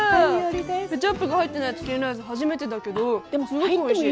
ケチャップが入ってないチキンライス初めてだけどでもすごくおいしい。